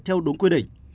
theo đúng quy định